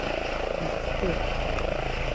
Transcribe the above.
べっ甲